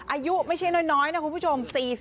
อายุไม่ใช่น้อยนะคุณผู้ชม